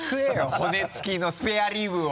骨付きのスペアリブを！